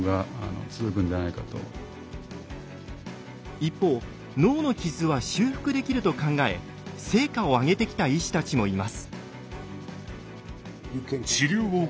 一方脳の傷は修復できると考え成果を上げてきた医師たちもいます。